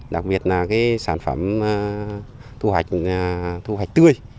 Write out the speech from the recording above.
đặc biệt là cái sản phẩm thu hoạch thu hoạch tươi